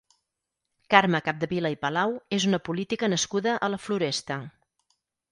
Carme Capdevila i Palau és una política nascuda a la Floresta.